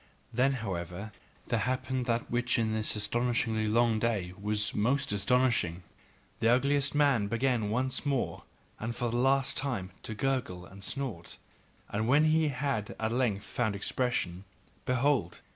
Then, however, there happened that which in this astonishing long day was most astonishing: the ugliest man began once more and for the last time to gurgle and snort, and when he had at length found expression, behold!